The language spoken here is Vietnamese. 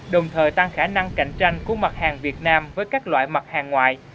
đồng thời tăng khả năng cạnh tranh của mặt hàng việt nam với các loại mặt hàng ngoại